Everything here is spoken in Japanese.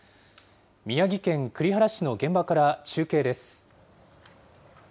宮城県栗原市の現場から中継です。